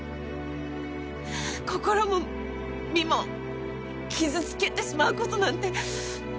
心も身も傷つけてしまう事なんて